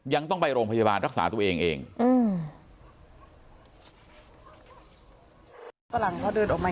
ยังต้องไปโรงพยาบาลรักษาตัวเองเองอืม